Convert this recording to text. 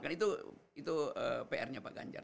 kan itu prnya pak ganjar